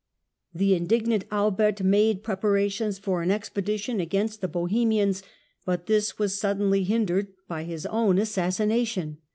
The indignant Albert made prepara tions for an expedition against the Bohemians, but this was suddenly hindered by his own assassination.